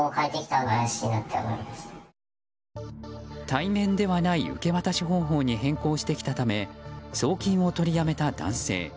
対面ではない受け渡し方法に変更してきたため送金を取りやめた男性。